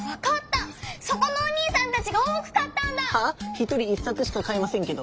１人１さつしかかえませんけど。